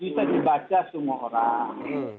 bisa dibaca semua orang